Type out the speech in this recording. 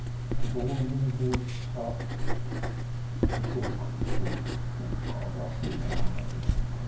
同銀同飛車６六金とかが自然なんですかね。